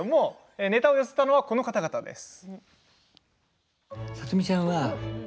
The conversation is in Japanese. ネタを寄せたのはこの方々です。